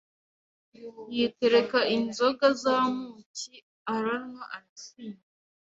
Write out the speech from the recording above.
yitereka inzoga z'amuki aranywa arasinda